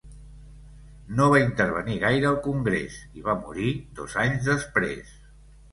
No va intervenir gaire al Congrés i va morir dos anys després.